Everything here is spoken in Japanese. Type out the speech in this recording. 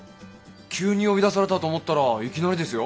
急に呼び出されたと思ったらいきなりですよ。